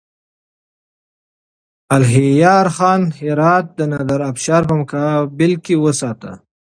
الهيار خان هرات د نادرافشار په مقابل کې وساته.